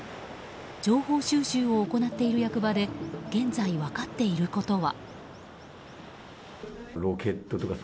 情報収集を行っている役場で現在、分かっていることは。